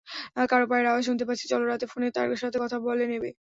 কারো পায়ের আওয়াজ শুনতে পাচ্ছি, চল রাতে ফোনে তার সাথে কথা বলে নেব।